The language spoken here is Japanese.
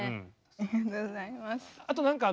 ありがとうございます。